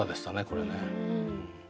これね。